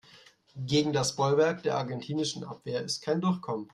Gegen das Bollwerk der argentinischen Abwehr ist kein Durchkommen.